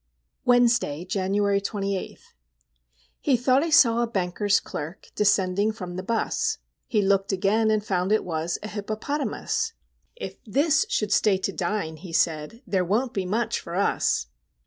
Wednesday, January 28. He thought he saw a Banker's Clerk Descending from the 'bus; He looked again, and found it was A Hippopotamus. "If this should stay to dine," he said, "There won't be much for us!"